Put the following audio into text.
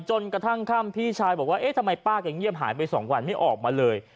จนกระทั่งค่ำพี่ชายบอกว่าเอ๊ะทำไมป้าแกเงียบหายไป๒วันไม่ออกมาเลย